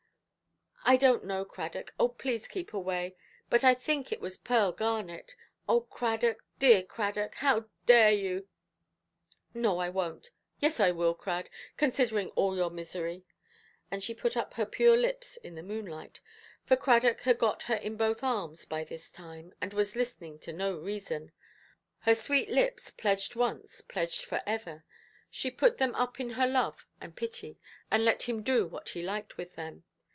"I donʼt know, Cradock. Oh, please keep away. But I think it was Pearl Garnet. Oh, Cradock, dear Cradock, how dare you? No, I wonʼt. Yes, I will, Crad; considering all your misery". She put up her pure lips in the moonlight—for Cradock had got her in both arms by this time, and was listening to no reason—her sweet lips, pledged once pledged for ever, she put them up in her love and pity, and let him do what he liked with them.